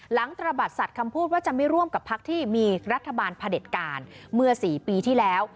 ตระบัดสัตว์คำพูดว่าจะไม่ร่วมกับพักที่มีรัฐบาลพระเด็จการเมื่อ๔ปีที่แล้ว